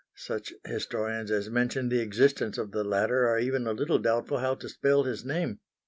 Such historians as mention the existence of the latter are even a little doubtful how to spell his name.